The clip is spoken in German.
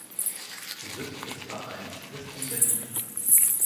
Sitz des Vereins ist in Berlin.